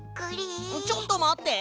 ちょっとまって！